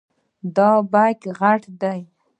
دا بیک غټ دی.